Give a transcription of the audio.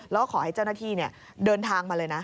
แล้วก็ขอให้เจ้าหน้าที่เดินทางมาเลยนะ